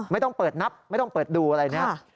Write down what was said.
ไม่ต้องเปิดนับไม่ต้องเปิดดูอะไรเนี่ย